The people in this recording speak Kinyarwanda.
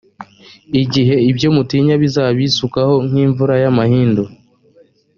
igihe ibyo mutinya bizabisukaho nk imvura y amahindu